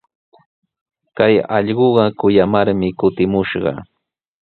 Kay allquqa kuyamarmi kutimushqa.